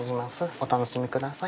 お楽しみください。